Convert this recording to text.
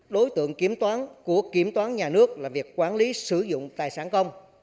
đối tượng kiểm toán của kiểm toán nhà nước là việc quản lý sử dụng tài sản công